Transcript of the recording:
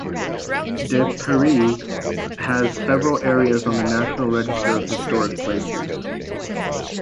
De Pere has several areas on the National Register of Historic Places.